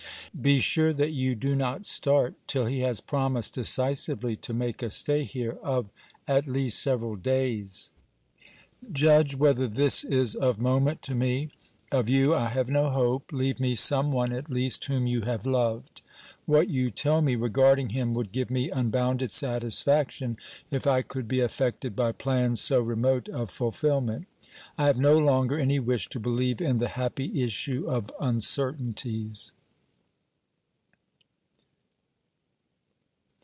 Be sure that you do not start till he has promised decisively to make a stay here of at least several days. OBERMANN 317 Judge whether this is of moment to me. Of you I have no hope ; leave me some one at least whom you have loved. What you tell me regarding him would give me unbounded satisfaction if I could be affected by plans so remote of fulfilment. I have no longer any wish to believe in the happy issue of uncertainties.